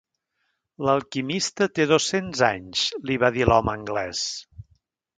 "L'alquimista té dos-cents anys", li va dir l'home anglès.